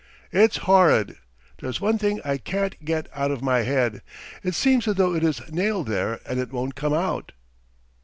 "It's horrid. There's one thing I can't get out of my head. It seems as though it is nailed there and it won't come out."